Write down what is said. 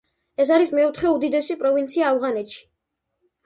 ეს არის მეოთხე უდიდესი პროვინცია ავღანეთში.